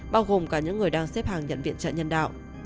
bao gồm cả những người đang xếp hàng nhận viện trợ nhân đạo